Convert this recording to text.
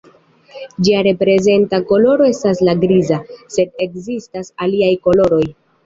Ĝia reprezenta koloro estas la griza, sed ekzistas aliaj koloroj.